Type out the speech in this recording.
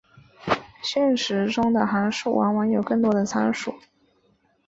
现实中的函数往往有更多的参数。